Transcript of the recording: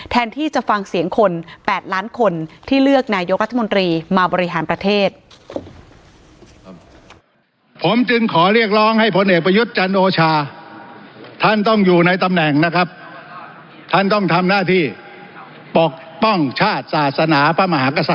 แทนที่จะฟังเสียงคน๘ล้านคนที่เลือกนายกรัฐมนตรีมาบริหารประเทศ